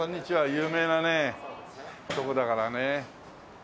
有名なね所だからね。